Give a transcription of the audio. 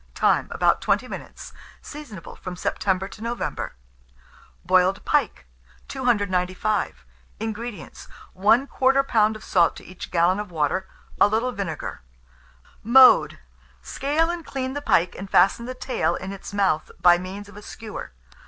Time. About 20 minutes. Seasonable from September to November. BOILED PIKE. 295. INGREDIENTS. 1/4 lb. of salt to each gallon of water; a little vinegar. Mode. Scale and clean the pike, and fasten the tail in its mouth by means of a skewer.